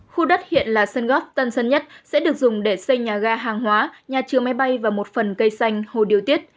khu đất hiện là sân góp tân sơn nhất sẽ được dùng để xây nhà ga hàng hóa nhà trừ máy bay và một phần cây xanh hồ điều tiết